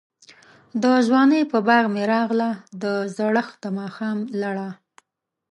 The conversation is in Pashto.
دځوانۍپه باغ می راغله، دزړښت دماښام لړه